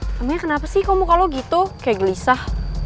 emangnya kenapa sih kok muka lo gitu kayak gelisah